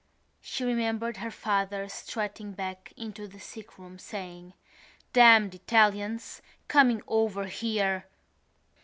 She remembered her father strutting back into the sickroom saying: "Damned Italians! coming over here!"